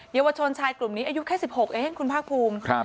เยาวชนชายกลุ่มนี้อายุแค่๑๖เองคุณภาคภูมิ